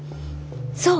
そう。